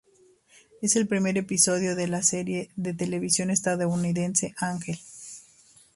Es el primer episodio de la de la serie de televisión estadounidense Ángel.